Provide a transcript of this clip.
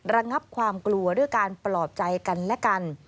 ระงับความกลัวด้วยการปลอบใจกันและกัน